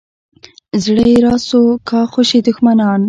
زړه یې راسو کا خوشي دښمنان.